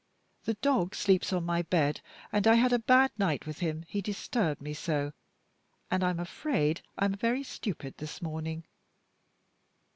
"The dog sleeps on my bed, and I had a bad night with him, he disturbed me so, and I am afraid I am very stupid this morning.